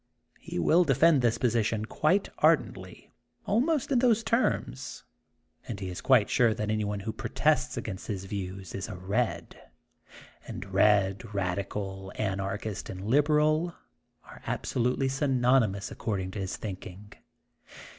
He will defend this position quite ardently, al most in those terms, and he is quite sure that anyone who protests against his views is a red.^' And red,'^ radical,'' anarchist, and liberal* ' are absolutely synonymous, ac cording to his thinking.